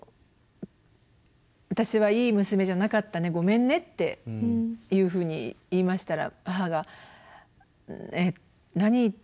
「私はいい娘じゃなかったねごめんね」っていうふうに言いましたら母が「えっ何言ってんの？